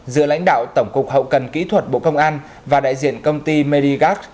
giữa lãnh đạo tổng cục hậu cần kỹ thuật bộ công an và đại diện công ty merigas